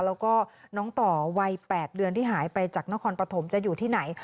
แล้วก็น้องต่อวัย๘เดือนที่หายไปจากนครปฐมจะอยู่ที่ไหน